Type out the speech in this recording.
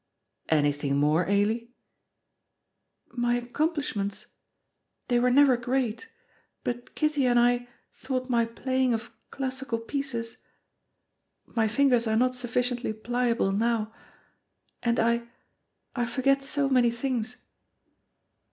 "Anything more, Ailie?" "My accomplishments they were never great, but Kitty and I thought my playing of classical pieces my fingers are not sufficiently pliable now. And I I forget so many things."